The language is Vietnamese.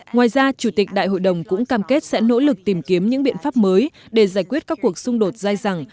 ngoài ra chủ tịch đại hội đồng cũng cam kết sẽ nỗ lực tìm kiếm những biện pháp mới để giải quyết các cuộc xung đột dài dẳng